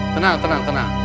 tenang tenang tenang